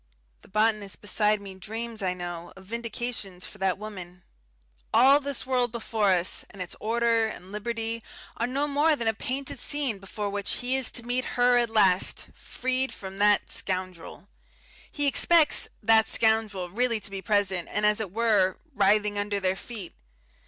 The botanist beside me dreams, I know, of vindications for that woman. All this world before us, and its order and liberty, are no more than a painted scene before which he is to meet Her at last, freed from "that scoundrel." He expects "that scoundrel" really to be present and, as it were, writhing under their feet....